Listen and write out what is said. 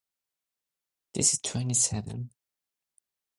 The game's reception in North America was generally positive.